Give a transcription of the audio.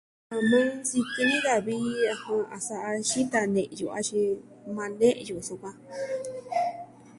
Sikɨ ni da vii, ajan, a sa'a xita ne'yu, axin, maa ne'yu sukuan.